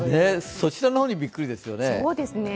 そちらの方にびっくりですね。